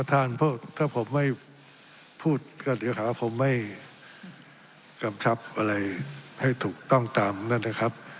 ท่านถ้าผมไม่พูดก็เดี๋ยวหาผมไม่กำชับอะไรให้ถูกต้องตามนั่นนะครับ